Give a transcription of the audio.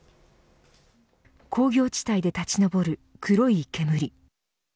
工業地帯で立ち上る黒い煙。